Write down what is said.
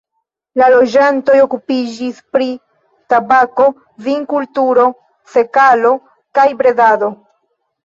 La loĝantoj okupiĝis pri tabako, vinkulturo, sekalo kaj bredado.